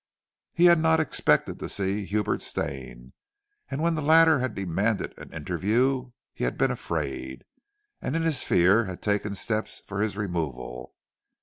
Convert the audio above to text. He had not expected to see Hubert Stane, and when the latter had demanded an interview he had been afraid, and in his fear had taken steps for his removal.